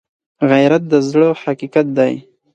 غیرت د زړه حقیقت دی